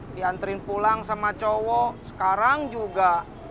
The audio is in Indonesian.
diantrin pulang sama cowok sekarang juga